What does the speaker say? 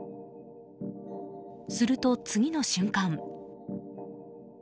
すると、次の瞬間。